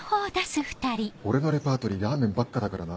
俺のレパートリーラーメンばっかだからな。